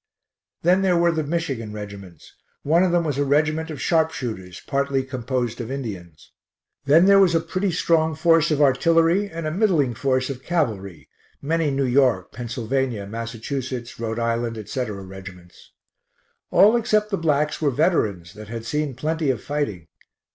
Then there [were the] Michigan regiments; one of them was a regiment of sharpshooters, partly composed of Indians. Then there was a pretty strong force of artillery and a middling force of cavalry many New York, Pennsylvania, Massachusetts, R. I., etc., reg'ts. All except the blacks were veterans [that had] seen plenty of fighting.